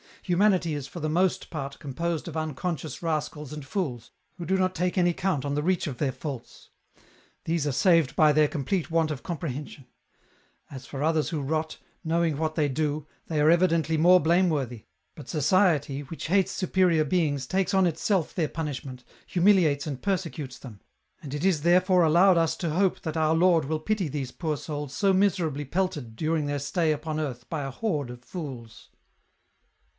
Humanity is for the most part composed of unconscious rascals and fools, who do not take any count or the reach of their faults. These are saved by their complete want of comprehension. As for others who rot, knowing what they do, they are evidently more olameworthy, but society EN ROUTE. 241 which hates superior beings takes on itself their punishment, humihates and persecutes them ; and it is therefore allowed us to hope that our Lord will pity these poor souls so miserably pelted during their stay upon earth by a horde of fools."